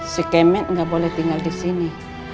si kemen gak boleh tinggal disini